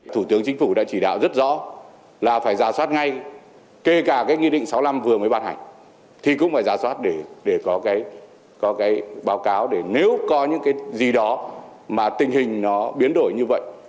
thủ tướng chính phủ đã chỉ đạo rất rõ là phải giả soát ngay kể cả cái nghị định sáu mươi năm vừa mới ban hành thì cũng phải giả soát để có cái báo cáo để nếu có những cái gì đó mà tình hình nó biến đổi như vậy